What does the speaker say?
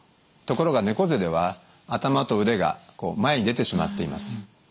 ところが猫背では頭と腕が前に出てしまっています。